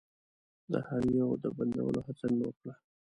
د هر يو د بندولو هڅه مې وکړه.